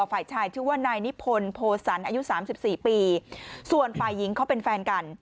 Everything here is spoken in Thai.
ฝ่ายชายชื่อว่านายนิพนธ์โพสันอายุสามสิบสี่ปีส่วนฝ่ายหญิงเขาเป็นแฟนกัน